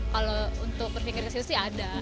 kalau untuk berpikir kecil sih ada